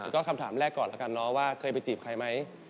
ก็คำถามแรกก่อนก่อนนะว่าเคยไปจีบใครไหม